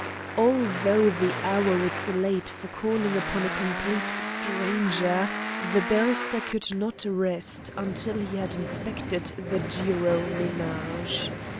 Although the hour was late for calling upon a complete stranger, the barrister could not rest until he had inspected the Jiro ménage.